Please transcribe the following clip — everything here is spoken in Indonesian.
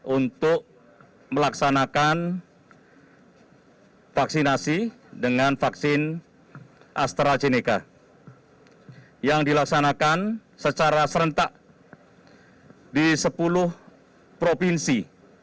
untuk melaksanakan vaksinasi dengan vaksin astrazeneca yang dilaksanakan secara serentak di sepuluh provinsi